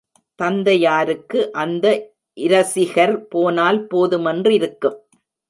தந்தையாருக்கு அந்த இரசிகர் போனால் போதுமென்றிருக்கும்.